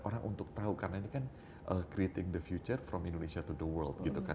orang untuk tahu karena ini kan creating the future from indonesia to the world gitu kan